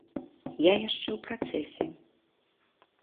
Я яшчэ ў працэсе.